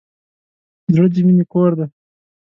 زړه د مینې کور دی.